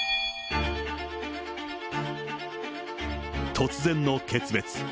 突然の決別。